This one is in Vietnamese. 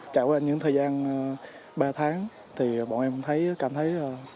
trải qua những thời gian ba tháng thì bọn em thấy cảm thấy